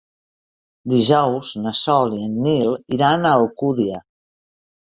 Dijous na Sol i en Nil iran a Alcúdia.